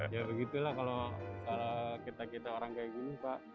ya begitulah kalau kita kita orang kayak gini pak